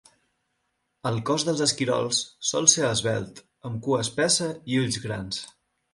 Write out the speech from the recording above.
El cos dels esquirols sol ser esvelt, amb cua espessa i ulls grans.